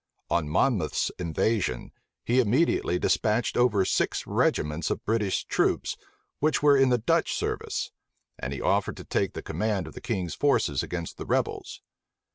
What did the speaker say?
On Monmouth's invasion, he immediately despatched over six regiments of British troops, which were in the Dutch service; and he offered to take the command of the king's forces against the rebels.